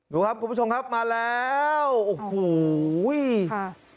ดูครับคุณผู้ชมครับมาแล้วโอ้โหค่ะ